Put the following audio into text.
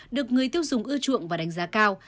được người tiêu dùng ưa chuộng và đánh giá cao